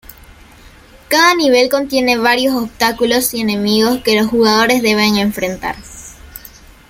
Cada nivel contiene varios obstáculos y enemigos que los jugadores deben enfrentar.